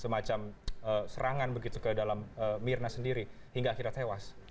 semacam serangan begitu ke dalam mirna sendiri hingga akhirnya tewas